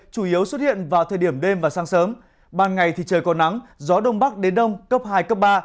chủ yếu xuất hiện vào thời điểm đêm và sáng sớm ban ngày thì trời có nắng gió đông bắc đến đông cấp hai cấp ba